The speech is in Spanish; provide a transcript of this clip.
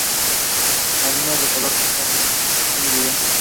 La nuca es de color castaño muy evidente.